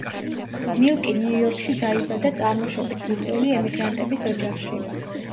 მილკი ნიუ-იორკში დაიბადა წარმოშობით ლიტველი ემიგრანტების ოჯახში.